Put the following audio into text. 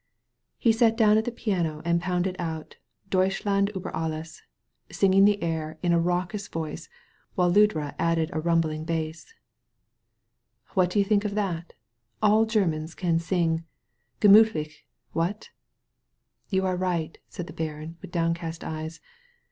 He sat down to the piano and pounded out DeiUschland iiber AUes, singing the air in a raucous voice, while Ludra added a rumbling bass. "What do you think of that? All Grermans can sing. Gemiithlich. What?'* "You are right," said the baron, with downcast eyes.